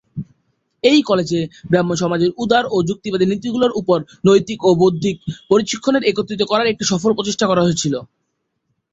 এই কলেজে ব্রাহ্মসমাজের উদার ও যুক্তিবাদী নীতিগুলির উপর নৈতিক ও বৌদ্ধিক প্রশিক্ষণের একত্রিত করার একটি সফল প্রচেষ্টা করা হয়েছিল।